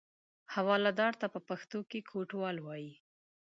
حوالهدار ته په پښتو کې کوټوال وایي.